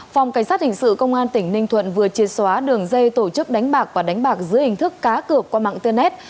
phòng cảnh sát hình sự công an tỉnh ninh thuận vừa triệt xóa đường dây tổ chức đánh bạc và đánh bạc dưới hình thức cá cực qua mạng tên nét